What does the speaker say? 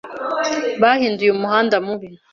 Bahinduye umuhanda mubi